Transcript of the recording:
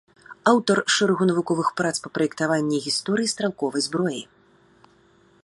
Аўтар шэрагу навуковых прац па праектаванні і гісторыі стралковай зброі.